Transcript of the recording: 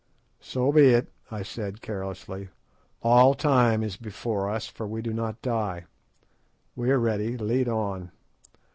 "So be it," I said carelessly; "all time is before us, for we do not die. We are ready, lead on.